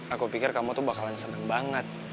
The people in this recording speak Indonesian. aku pikir kamu tuh bakalan senang banget